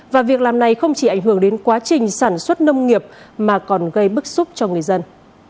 và việc làm này không chỉ ảnh hưởng đến quá trình sản xuất nông nghiệp mà còn gây bức xúc cho người dân